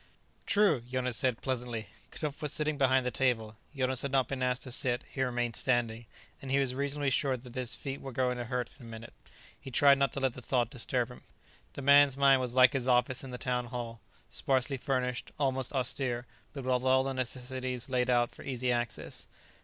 "True," Jonas said pleasantly. Knupf was sitting behind the table. Jonas had not been asked to sit; he remained standing, and he was reasonably sure that his feet were going to hurt in a minute. He tried not to let the thought disturb him. The man's mind was like his office in the Town Hall: sparsely furnished, almost austere, but with all the necessaries laid out for easy access.